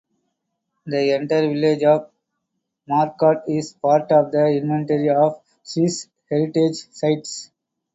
The entire village of Morcote is part of the Inventory of Swiss Heritage Sites.